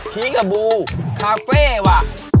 พริกกับบูคาเฟ่ว่ะ